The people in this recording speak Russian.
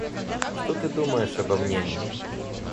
Что ты думаешь обо мне?